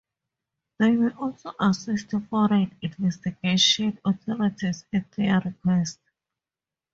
They may also assist foreign investigation authorities at their request.